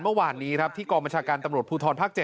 เมื่อวานนี้ที่กรมชาการตำรวจภูทรภาค๗